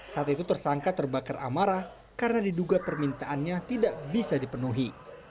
saat itu tersangka terbakar amarah karena diduga permintaannya tidak bisa dipenuhi